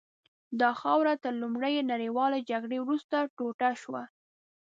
دا خاوره تر لومړۍ نړیوالې جګړې وروسته ټوټه شوه.